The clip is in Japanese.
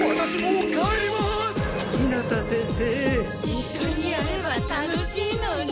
いっしょにやれば楽しいのに。